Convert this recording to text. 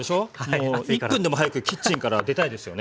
もう１分でも早くキッチンから出たいですよね。